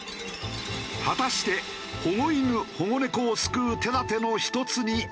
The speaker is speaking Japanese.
果たして保護犬保護猫を救う手立ての１つになるのか？